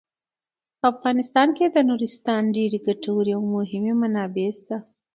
په افغانستان کې د نورستان ډیرې ګټورې او مهمې منابع شته.